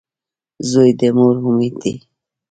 • زوی د مور امید وي.